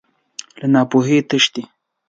له ناپوهۍ تښتې.